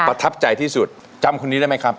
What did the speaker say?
ประทับใจที่สุดจำคนนี้ได้ไหมครับ